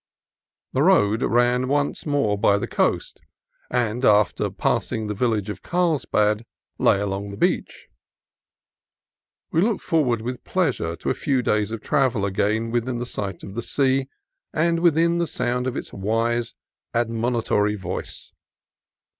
The road ran once more by the coast, and after passing the village of Carlsbad lay along the beach. We looked forward with pleasure to a few days of travel again within sight of the sea and within sound of its wise, ad monitory voice.